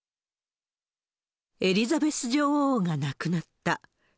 エリザベス女王が亡くなった。